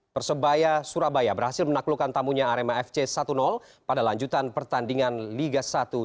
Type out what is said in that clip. persebaya surabaya berhasil menaklukkan tamunya arema fc satu pada lanjutan pertandingan liga satu dua ribu